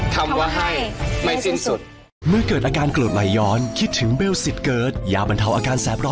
ทำว่าให้ไม่สิ้นสุด